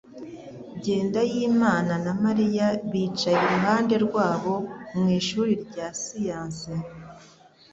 Jyendayimana na Mariya bicaye iruhande rwabo mu ishuri rya siyanse